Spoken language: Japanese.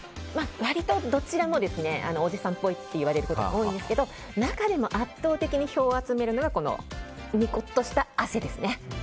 割とどちらもおじさんっぽいと言われることが多いですが中でも圧倒的に票を集めるのがにこっとした汗ですね。